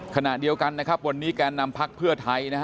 ขณะเดียวกันนะครับวันนี้แกนนำพักเพื่อไทยนะฮะ